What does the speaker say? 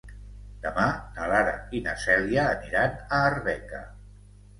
Demà na Lara i na Cèlia aniran a Arbeca.